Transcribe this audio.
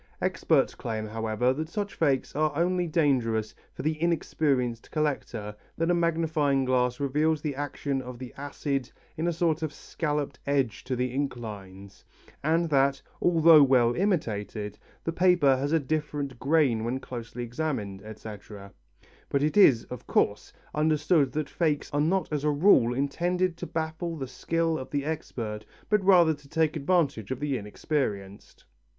Experts claim, however, that such fakes are only dangerous for the inexperienced collector, that a magnifying glass reveals the action of the acid in a sort of scalloped edge to the ink lines, and that, although well imitated, the paper has a different grain when closely examined, etc. But it is, of course, understood that fakes are not as a rule intended to baffle the skill of the expert but rather to take advantage of the inexperienced.